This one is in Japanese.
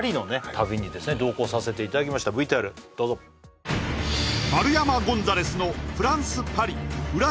旅に同行させていただきましたＶＴＲどうぞ丸山ゴンザレスのフランス・パリ裏